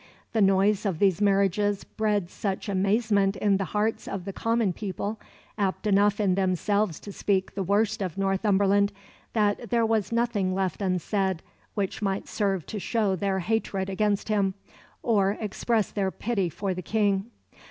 "The noise of these marriages bred such amazement in the hearts of the common people, apt enough in themselves to speak the worst of Northumberland, that there was nothing left unsaid which might serve to show their hatred against him, or express their pity for the King."